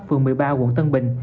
phường một mươi ba quận tân bình